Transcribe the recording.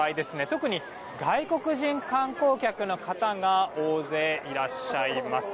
特に外国人観光客の方が大勢いらっしゃいます。